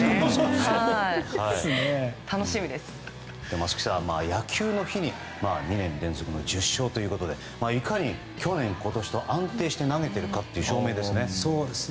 松木さん、野球の日に２年連続の１０勝ということでいかに去年、今年と安定して投げているかという証明ですね。